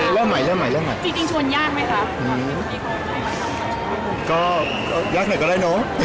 จริงชวนยากไหมครับ